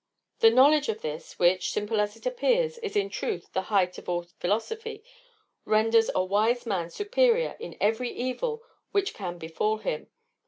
The knowledge of this, which, simple as it appears, is in truth the heighth of all philosophy, renders a wise man superior to every evil which can befall him.